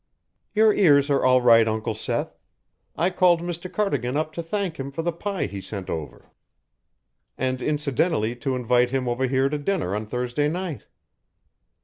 "Your ears are all right, Uncle Seth. I called Mr. Cardigan up to thank him for the pie he sent over, and incidentally to invite him over here to dinner on Thursday night."